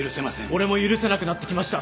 俺も許せなくなってきました！